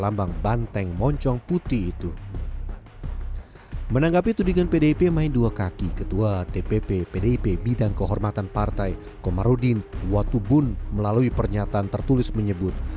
menanggapi tudingan pdip main dua kaki ketua dpp pdip bidang kehormatan partai komarudin watubun melalui pernyataan tertulis menyebut